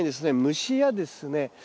虫やですね